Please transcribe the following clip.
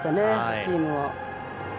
チームでは。